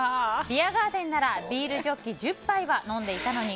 ビアガーデンならビールジョッキ１０杯は飲んでいたのに。